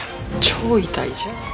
超痛いじゃん。